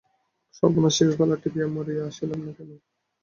সর্বনাশীকে গলা টিপিয়া মারিয়া আসিলাম না কেন।